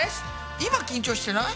今緊張してない？